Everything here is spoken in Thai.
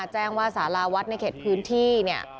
แจ้งว่าสาราวัดในเขตพื้นที่เนี่ย